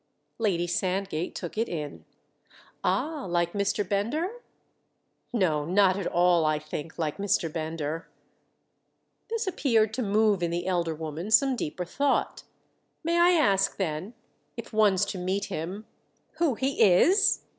Lady Sandgate took it in. "Ah, like Mr. Bender?" "No, not at all, I think, like Mr. Bender." This appeared to move in the elder woman some deeper thought "May I ask then—if one's to meet him—who he is?"